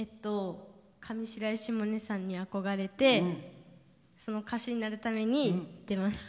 上白石萌音さんに憧れて歌手になるために出ました。